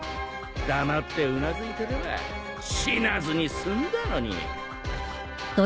黙ってうなずいてれば死なずに済んだのに。